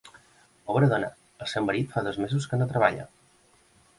Pobra dona: el seu marit fa dos mesos que no treballa.